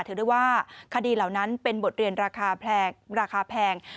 ถือได้ว่าคดีเหล่านั้นเป็นบทเรียนราคาราคาแพง